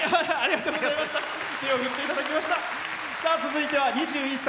続いては２１歳。